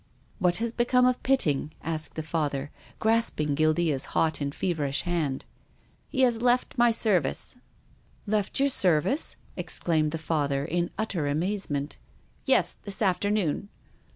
"What has become of Pitting?" asked the Father, grasping Guildea's hot and feverish hand. " He has left my service." "Left your service!" exclaimed the Father in utter amazement. "Yes, this afternoon."